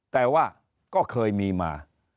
แต่ว่าก็เคยมีมา